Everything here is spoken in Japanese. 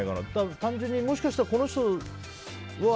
単純にもしかしたらこの人は。